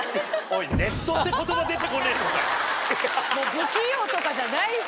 不器用とかじゃないですよ。